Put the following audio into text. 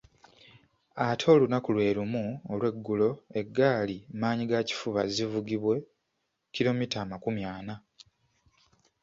Ate olunaku lwe lumu olw’eggulo eggaali maanyigakifuba zivugibwe kilomita amakumi ana.